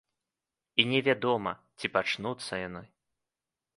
І не вядома, ці пачнуцца яны.